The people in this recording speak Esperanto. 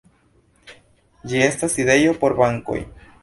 Ĝi estas sidejo por bankoj.